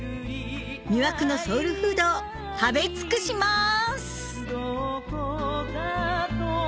魅惑のソウルフードを食べ尽くします！